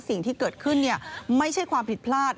สิ่งที่เกิดขึ้นไม่ใช่ความผิดพลาด